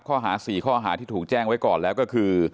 ข้อหา๔ข้อหาที่ถูกแจ้งไว้ก่อนแล้วก็คือ